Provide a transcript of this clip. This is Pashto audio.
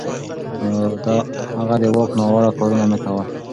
هغه د واک ناوړه کارونه نه کول.